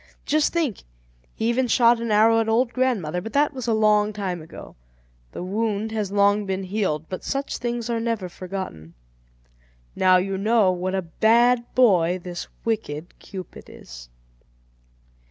Just think, he even shot an arrow at old grandmother; but that was a long time ago. The wound has long been healed, but such things are never forgotten. Now you know what a bad boy this wicked Cupid is.